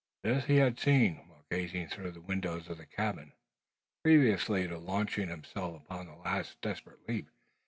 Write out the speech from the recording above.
This he had seen, while gazing through the windows of the cabin, previous to launching himself upon that last desperate leap.